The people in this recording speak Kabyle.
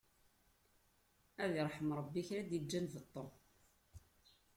Ad iṛḥem Ṛebbi kra i d-iǧǧan beṭṭu!